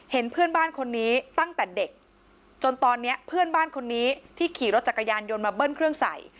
เพื่อนบ้านคนนี้ตั้งแต่เด็กจนตอนนี้เพื่อนบ้านคนนี้ที่ขี่รถจักรยานยนต์มาเบิ้ลเครื่องใส่